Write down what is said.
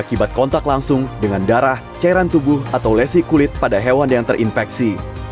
akibat kontak langsung dengan darah cairan tubuh atau lesi kulit pada hewan yang terinfeksi